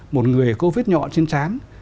một người covid nhọn trên sán